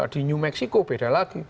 di new mexico beda lagi